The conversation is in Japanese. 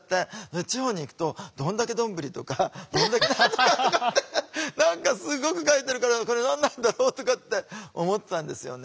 で地方に行くと「どんだけ丼」とか「どんだけ何とか」とかって何かすごく書いてるから「これ何なんだろう」とかって思ってたんですよね。